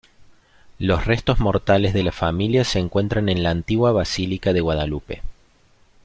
Los restos mortales de la familia se encuentran en la antigua Basílica de Guadalupe.